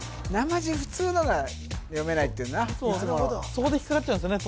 そこで引っかかっちゃうんですね